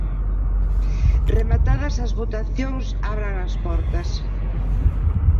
Rematadas as votacións abran as portas.